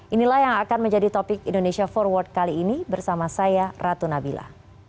inilah yang akan menjadi topik indonesia forward kali ini bersama saya ratu nabila